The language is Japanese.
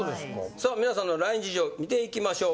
さあ皆さんのＬＩＮＥ事情見ていきましょう。